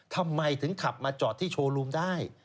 ทำไมถึงขับมาจอดที่โชว์รูมได้